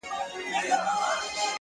د هر وګړي سیوری نه وهي په توره ظالم.!